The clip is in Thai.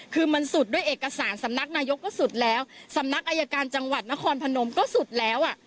คือมันสุดด้วยเอกสารสำนักนายกก็สุดแล้วสำนักอายการจังหวัดนครพนมก็สุดแล้วอ่ะ